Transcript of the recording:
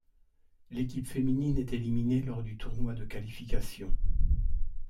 L'équipe féminine est éliminée lors du tournoi de qualification.